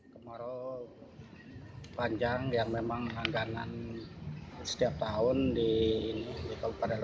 kekeringan tahun ini diapi warga menjadi kekeringan cukup parah